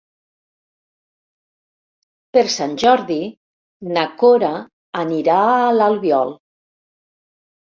Per Sant Jordi na Cora anirà a l'Albiol.